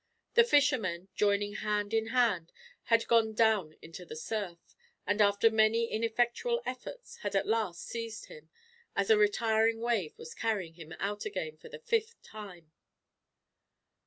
The fishermen, joining hand in hand, had gone down into the surf; and after many ineffectual efforts, had at last seized him, as a retiring wave was carrying him out again, for the fifth time.